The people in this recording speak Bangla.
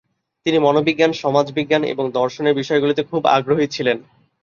তিনি মনোবিজ্ঞান, সমাজবিজ্ঞান এবং দর্শনের বিষয়গুলিতে খুব আগ্রহী ছিলেন।